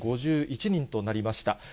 ４０５１人となりました。